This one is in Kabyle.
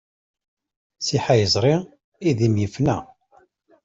Siḥ ay iẓri idim ifna.